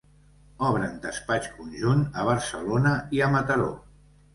Obren despatx conjunt a Barcelona i a Mataró.